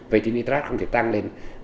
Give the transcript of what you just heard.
vậy thì nitrat không thể tăng lên